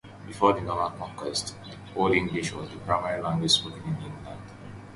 Before the Norman Conquest, Old English was the primary language spoken in England.